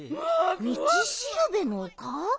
みちしるべのおか？